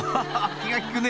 気が利くね